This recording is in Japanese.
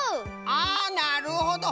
あなるほど！